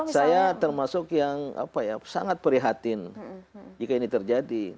saya termasuk yang sangat prihatin jika ini terjadi